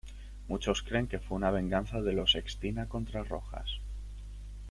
Muchos creen que fue una venganza de los ex Dina contra Rojas.